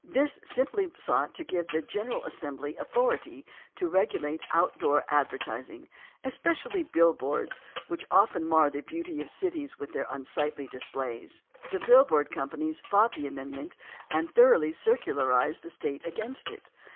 This simply sought to give the General Assembly authority to regulate outdoor advertising, especially billboards, which often mar the beauty of cities by their unsightly displays. The bill board companies fought the amendment and thoroughly circularized the State against it.